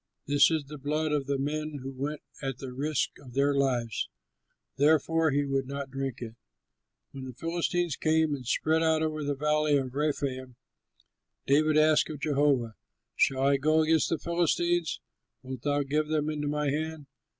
This is the blood of the men who went at the risk of their lives." Therefore he would not drink it. When the Philistines came and spread out over the Valley of Rephaim, David asked of Jehovah: "Shall I go out against the Philistines? Wilt thou give them into my hand?"